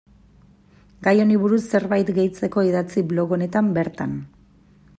Gai honi buruz zerbait gehitzeko idatzi blog honetan bertan.